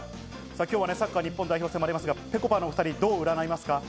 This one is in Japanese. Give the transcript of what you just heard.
今日はサッカー日本代表戦もありますが、ぺこぱのお２人、どう占いますか？